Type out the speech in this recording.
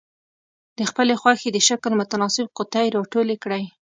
د خپلې خوښې د شکل متناسب قطي را ټولې کړئ.